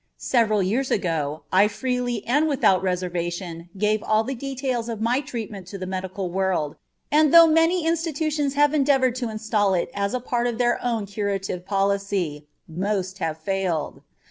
Several years ago I freely and without reservation gave all the details of my treatment to the medical world, and though many institutions have endeavored to install it as a part of their own curative policy, most have failed.